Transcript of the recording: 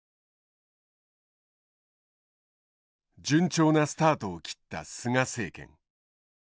順調なスタートを切った菅政権。